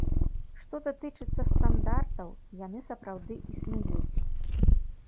Што датычыцца стандартаў, яны сапраўды існуюць.